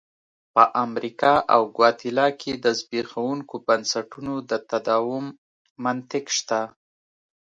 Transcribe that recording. په امریکا او ګواتیلا کې د زبېښونکو بنسټونو د تداوم منطق شته.